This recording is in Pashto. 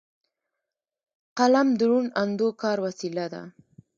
قلم د روڼ اندو کار وسیله ده